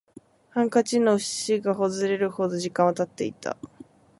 ハンカチの縁がほつれるほど時間は経っていた